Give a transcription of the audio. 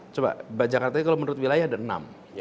coba jakartanya kalau menurut wilayah ada enam